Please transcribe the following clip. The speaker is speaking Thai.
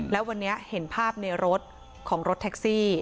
แล้ววันนี้เห็นภาพในรถของรถแท็กซี่